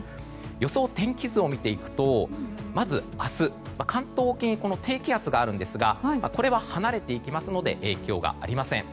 予想天気図を見ていくとまず明日関東沖に低気圧があるんですがこれは離れていきますので影響がありません。